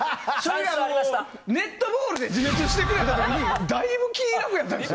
ネットボールで自滅してくれたのだいぶ気が楽やったんですよ。